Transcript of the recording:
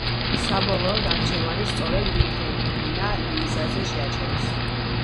საბოლოოდ არჩევანი სწორედ ვილჰელმინა ლუიზაზე შეაჩერეს.